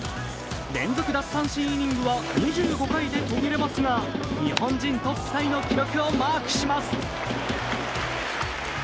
連続奪三振イニングは２５回で途切れますが日本人トップタイの記録をマークします。